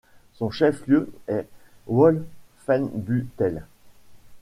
Son chef-lieu est Wolfenbüttel.